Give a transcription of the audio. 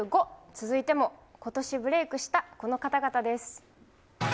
続いても、ことしブレークしたこの方々です。